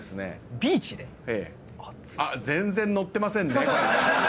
ビーチで⁉全然ノッてませんね。